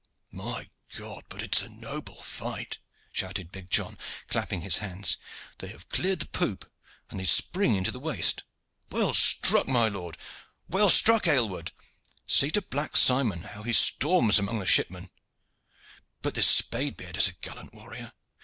"My God, but it is a noble fight!" shouted big John, clapping his hands. "They have cleared the poop, and they spring into the waist. Well struck, my lord! Well struck, Aylward! See to Black Simon, how he storms among the shipmen! But this Spade beard is a gallant warrior.